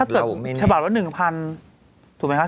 ถ้าเกิดฉบับว่า๑๐๐๐ถูกไหมคะ